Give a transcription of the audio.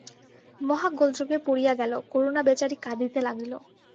মহা গোলযোগ পড়িয়া গেল, করুণা বেচারি কাঁদিতে লাগিল।